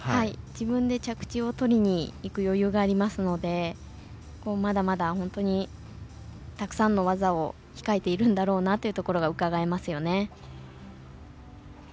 自分で着地をとりにいく余裕がありますのでまだまだ本当にたくさんの技を控えているんだろうなというところがうかがえますよね。